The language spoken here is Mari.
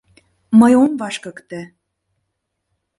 Мый ом вашкыкте.